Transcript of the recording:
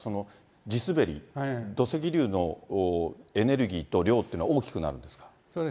地滑り、土石流のエネルギーと量っていうのは大きくなるんですか。